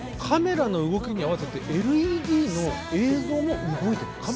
カメラの動きに合わせてＬＥＤの映像も動いてる。